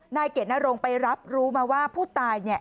นายเกดนรงค์ไปรับรู้มาว่าผู้ตายเนี่ย